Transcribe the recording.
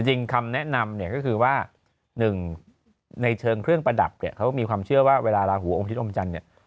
จริงคำแนะนำก็คือว่า๑ในเกริงเครื่องประดับเขามีความเชื่อว่าเวลาราหูอมชิดอมจันทร์